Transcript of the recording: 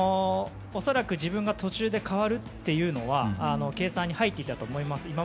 恐らく自分が途中で代わるというのは計算に入っていたと思います。